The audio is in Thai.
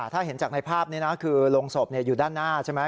ถ้าเห็นจากในภาพนี้นะคือโรงศพอยู่ด้านหน้าใช่ไหม